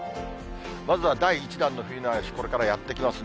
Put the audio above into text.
まずは第１弾の冬の嵐、これからやって来ますね。